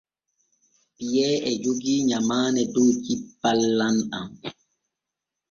Piyee e jogii nyamaane dow cippal lamɗam.